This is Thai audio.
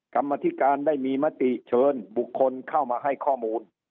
กรรมธิการได้มีมติเชิญบุคคลเข้ามาให้ข้อมูล